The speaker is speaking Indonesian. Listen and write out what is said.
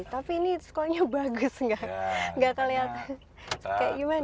tapi ini sekolahnya bagus nggak kelihatan